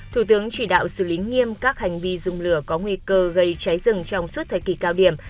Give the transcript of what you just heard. thủ tướng chỉ đạo xử lý nghiêm các hành vi dùng lửa có nguy cơ gây cháy rừng trong suốt thời kỳ cao điểm